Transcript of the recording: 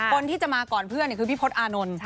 คนที่จะมาก่อนเพื่อนคือพี่พศอานนท์